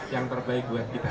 yang terbaik buat kita